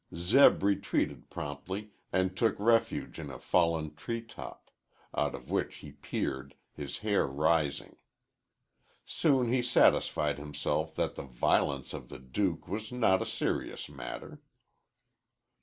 Zeb retreated promptly and took refuge in a fallen tree top, out of which he peered, his hair rising. Soon he satisfied himself that the violence of the Duke was not a serious matter.